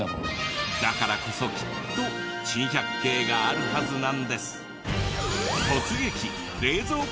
だからこそきっと珍百景があるはずなんです。